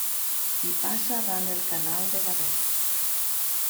Hi passa ran el Canal de Gavet.